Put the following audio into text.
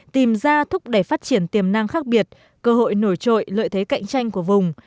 tìm ra thúc đẩy phát triển tiềm năng khác biệt cơ hội nổi trội lợi thế cạnh tranh của vùng